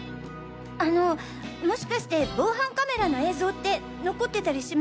あのもしかして防犯カメラの映像って残ってたりしませんか？